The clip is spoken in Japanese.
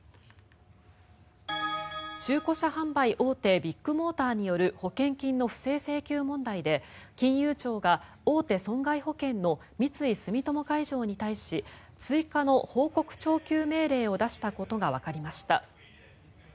中古車販売大手ビッグモーターによる保険金の不正請求問題で金融庁が大手損害保険の三井住友海上に対し追加の報告徴求命令を出したことがわかりました。